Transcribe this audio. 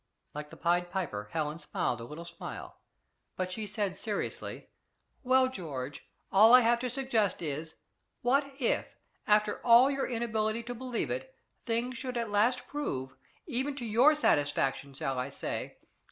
Like the pied piper, Helen smiled a little smile. But she said seriously, "Well, George, all I have to suggest is What if, after all your inability to believe it, things should at last prove, even to your satisfaction, shall I say?